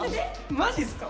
マジっすか？